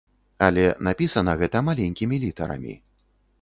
Але напісана гэта маленькімі літарамі.